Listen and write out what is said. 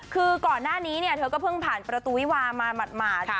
คือก่อนหน้านี้เธอก็เพิ่งผ่านประตูวิวามาหมาด